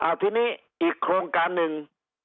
เอาทีนี้อีกโครงการหนึ่ง